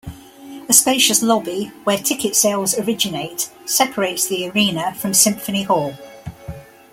A spacious lobby, where ticket sales originate, separates the Arena from Symphony Hall.